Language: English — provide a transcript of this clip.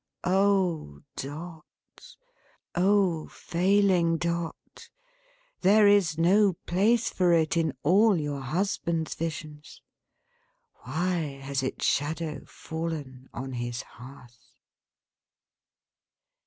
Oh Dot! Oh failing Dot! There is no place for it in all your husband's visions; why has its shadow fallen on his hearth!